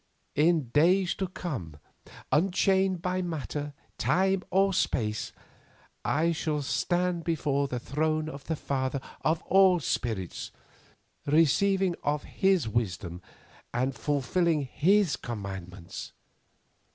In days to come, unchained by matter, time, or space, I shall stand before the throne of the Father of all spirits, receiving of His wisdom and fulfilling His commandments.